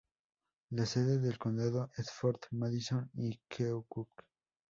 La sede del condado es Fort Madison y Keokuk.